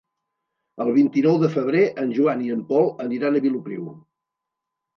El vint-i-nou de febrer en Joan i en Pol aniran a Vilopriu.